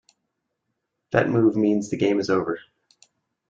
That move means the game is over.